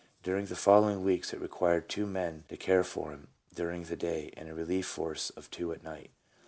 During the following week it required two men to care for him during the day, and a relief force of two at night.